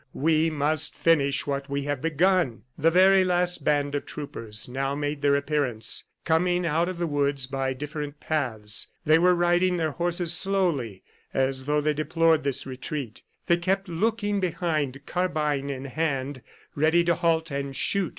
... "We must finish what we have begun!" The very last band of troopers now made their appearance, coming out of the woods by different paths. They were riding their horses slowly, as though they deplored this retreat. They kept looking behind, carbine in hand, ready to halt and shoot.